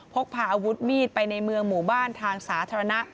พกพาอาวุธมีดไปในเมืองหมู่บ้านทางสาธารณะ